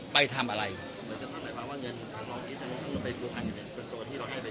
ไปไปทำอะไรเหมือนกับอะไรบ้างว่าเงินเรา